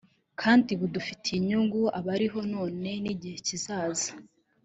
kandi bufitiye inyungu abariho none n’igihe kizaza